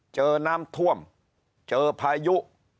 เจอน้ำท่วมเจอพายุ